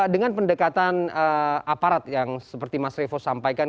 dengan pendekatan aparat yang seperti mas revo sampaikan